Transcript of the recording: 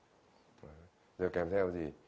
rồi kèm theo gì